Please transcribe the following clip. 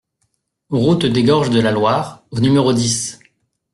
Route des Gorges de la Loire au numéro dix